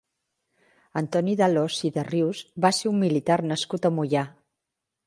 Antoni d'Alòs i de Rius va ser un militar nascut a Moià.